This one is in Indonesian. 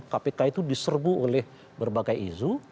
kpk itu diserbu oleh berbagai isu